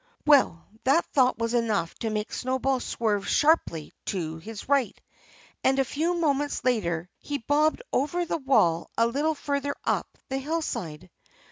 Well, that thought was enough to make Snowball swerve sharply to his right. And a few moments later he bobbed over the wall a little further up the hillside.